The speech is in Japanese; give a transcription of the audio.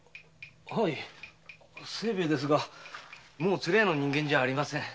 はい清兵衛ですがもう鶴屋の人間じゃありません。